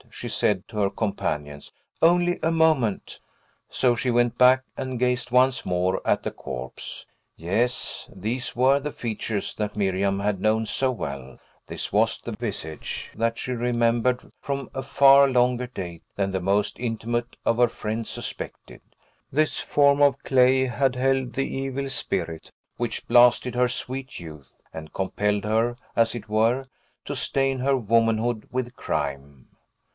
she said to her companions. "Only a moment!" So she went back, and gazed once more at the corpse. Yes; these were the features that Miriam had known so well; this was the visage that she remembered from a far longer date than the most intimate of her friends suspected; this form of clay had held the evil spirit which blasted her sweet youth, and compelled her, as it were, to stain her womanhood with crime.